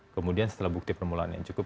kemudian setelah bukti permulaan yang cukup